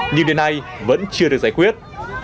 nhưng đến nay vẫn chưa được giải quyết